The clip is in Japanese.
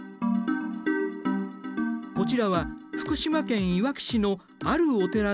こちらは福島県いわき市のあるお寺の境内の様子。